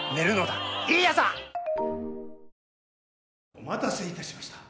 お待たせいたしました。